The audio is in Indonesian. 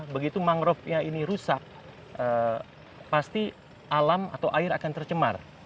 begitu mangrovenya ini rusak pasti alam atau air akan tercemar